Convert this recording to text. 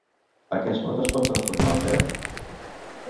Aquest mot es pot transformar en verb?